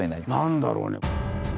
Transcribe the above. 何だろうね？